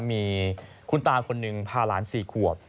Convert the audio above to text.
มีคุณตาคนหนึ่งพาหลาน๔ขวบ